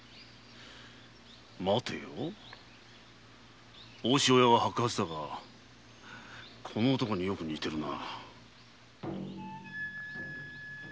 まてよ大潮屋は白髪だがこの男によく似ているな。